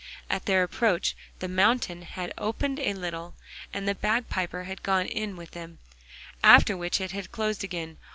At their approach the mountain had opened a little, and the bagpiper had gone in with them, after which it had closed again.